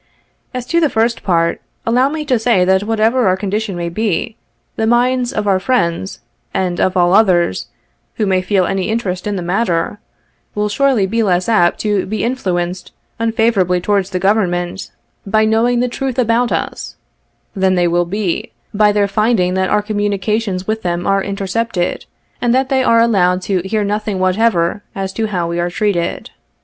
As to the first part, allow me to say, that whatever our condition may be, the minds of our friends, and of all others, who may feel any interest in the matter, will surely be less apt to be influenced unfavorably towards the government by knowing the truth about us, than they will be by their finding that our communications with them are intercepted, and that they are allowed to hear nothing whatever as to how we are treated.